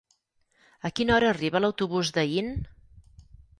A quina hora arriba l'autobús d'Aín?